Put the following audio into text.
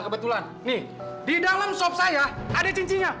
kebetulan di dalam sop saya ada cincinnya